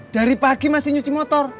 dari pagi masih nyuci motor